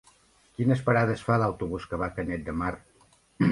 Quines parades fa l'autobús que va a Canet de Mar?